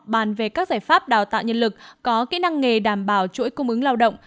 bàn về các giải pháp đào tạo nhân lực có kỹ năng nghề đảm bảo chuỗi cung ứng lao động